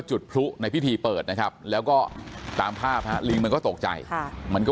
จุดพลุในพิธีเปิดนะครับแล้วก็ตามภาพฮะลิงมันก็ตกใจมันก็